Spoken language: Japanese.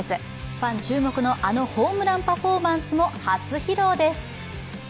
ファン注目のあのホームランパフォーマンスも初披露です。